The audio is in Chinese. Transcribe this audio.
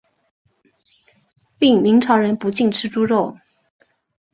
另明朝人不禁吃猪肉。